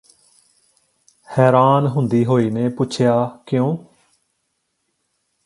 ਹੈਰਾਨ ਹੁੰਦੀ ਹੋਈ ਨੇ ਪੁੱਛਿਆ ਕਿਉਂ